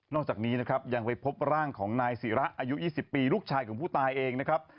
จากนี้นะครับยังไปพบร่างของนายศิระอายุ๒๐ปีลูกชายของผู้ตายเองนะครับ